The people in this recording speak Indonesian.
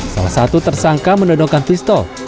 salah satu tersangka menodongkan pistol